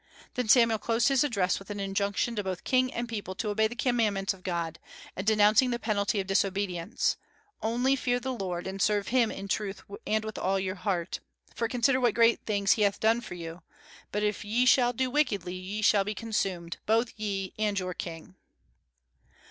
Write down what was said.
Then Samuel closed his address with an injunction to both king and people to obey the commandments of God, and denouncing the penalty of disobedience: "Only fear the Lord, and serve Him in truth and with all your heart, for consider what great things He hath done for you; but if ye shall do wickedly, ye shall be consumed, both ye and your king."